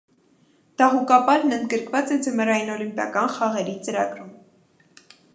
Դահուկապարն ընդգրկված է ձմեռային օլիմպիական խաղերի ծրագրում։